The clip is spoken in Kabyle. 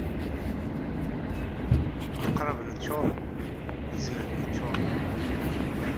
Iqraben ččuren, izmamen ččuren.